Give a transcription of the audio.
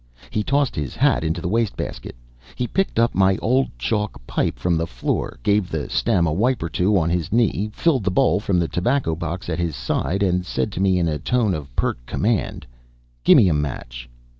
He tossed his hat into the waste basket. He picked up my old chalk pipe from the floor, gave the stem a wipe or two on his knee, filled the bowl from the tobacco box at his side, and said to me in a tone of pert command: "Gimme a match!"